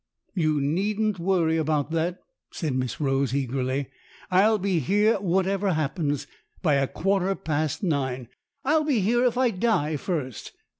" You needn't worry about that," said Miss Rose, eagerly. " I'll be here, whatever happens, by a quarter past nine. I'll be here if I die first